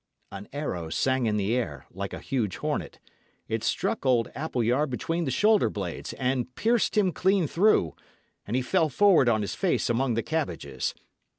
An arrow sang in the air, like a huge hornet; it struck old Appleyard between the shoulder blades, and pierced him clean through, and he fell forward on his face among the cabbages.